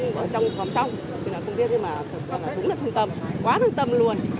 thực ra tôi thì cũng ở trong phòng trong không biết nhưng mà thật ra là đúng là thân tâm quá thân tâm luôn